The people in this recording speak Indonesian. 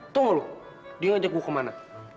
tau ga lu dia ngajak gua kemana